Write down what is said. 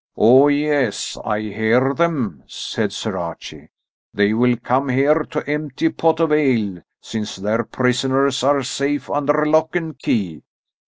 "Oh, yes, I hear them," said Sir Archie; "they will come here to empty a pot of ale, since their prisoners are safe under lock and key.